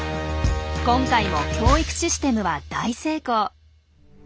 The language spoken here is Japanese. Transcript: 今回も教育システムは大成功。